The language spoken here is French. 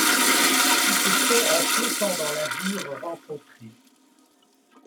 Qui se sont en flottant dans l'azur rencontrés